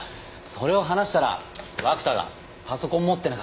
それを話したら涌田がパソコン持ってなかったかって。